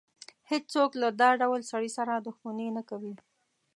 هېڅ څوک له دا ډول سړي سره دښمني نه کوي.